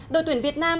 đối tuyển việt nam